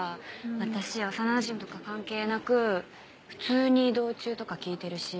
私幼なじみとか関係なく普通に移動中とか聴いてるし。